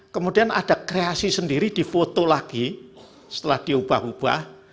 kemudian ada kreasi sendiri di foto lagi setelah diubah ubah